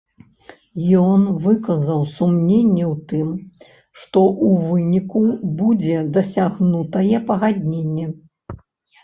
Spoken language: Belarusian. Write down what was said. Ён выказаў сумненне ў тым, што ў выніку будзе дасягнутае пагадненне.